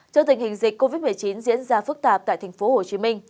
trước tình hình dịch covid một mươi chín diễn ra phức tạp tại tp hcm